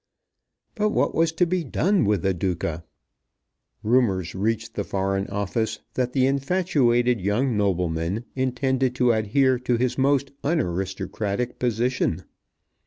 But what was to be done with the Duca? Rumours reached the Foreign Office that the infatuated young nobleman intended to adhere to his most unaristocratic position.